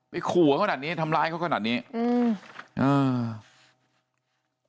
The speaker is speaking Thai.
ขู่เขาขนาดนี้ทำร้ายเขาขนาดนี้อืมอ่า